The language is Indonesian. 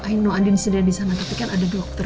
i know andien sendiri disana tapi kan ada dokter